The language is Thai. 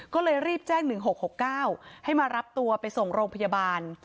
ก็เลยรีบแจ้ง๑๖๖๙ให้มารับตัวไปส่งโรงพยาบาล